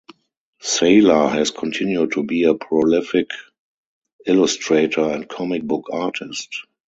Sala has continued to be a prolific illustrator and comic book artist.